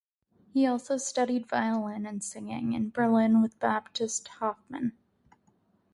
He also studied violin and singing (in Berlin with Baptist Hoffmann).